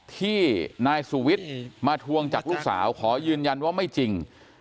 ที่นายสุวิทย์มาทวงจากลูกสาวขอยืนยันว่าไม่จริง